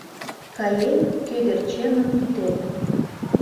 Каем кӧгӧрченым кӱтен.